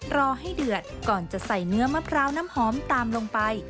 รอให้เดือดก่อนจะใส่เนื้อมะพร้าวน้ำหอมตามลงไป